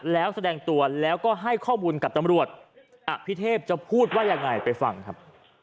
แล้วแสดงตัวแล้วก็ให้ข้อมูลกับตำรวจอภิเทพจะพูดว่ายังไงไปฟังครับ